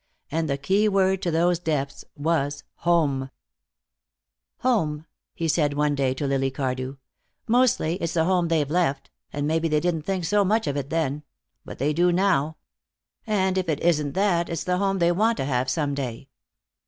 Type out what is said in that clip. And the keyword to those depths was "home." "Home," he said one day to Lily Cardew. "Mostly it's the home they've left, and maybe they didn't think so much of it then. But they do now. And if it isn't that, it's the home they want to have some day."